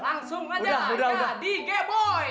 langsung aja aja di g boy